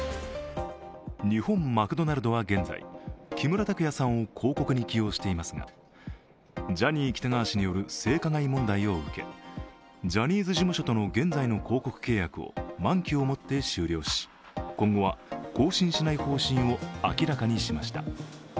日本マクドナルドは現在、木村拓哉さんを広告に起用していますがジャニー喜多川氏による性加害問題を受けジャニーズ事務所との現在の広告契約を満期をもって終了し、今後は更新しない方針を明らかにしました。